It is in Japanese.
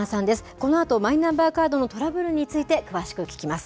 このあと、マイナンバーカードのトラブルについて詳しく聞きます。